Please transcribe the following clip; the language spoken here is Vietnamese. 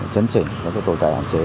chấn chỉnh các tổ tài hạn chế